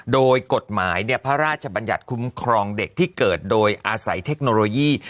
โดยกฎหมายพระราชบัญญัติคุ้มครองเด็กที่เกิดโดยอาศัยเทคโนโลยี